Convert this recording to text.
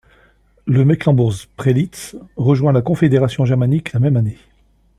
Le Mecklembourg-Strelitz rejoint la Confédération germanique la même année.